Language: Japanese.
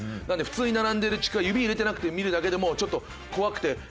なので普通に並んでるちくわ指入れてなくて見るだけでもちょっと怖くて。